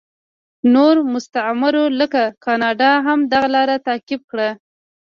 نورو مستعمرو لکه کاناډا هم دغه لار تعقیب کړه.